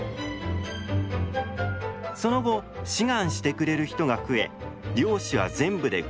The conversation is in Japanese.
その後志願してくれる人が増え猟師は全部で５人に。